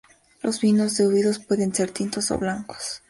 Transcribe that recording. Los vinos de Óbidos pueden ser tintos o blancos.